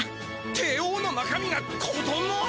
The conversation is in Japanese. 帝王の中身が子ども！？